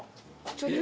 ちょっと。